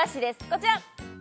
こちら！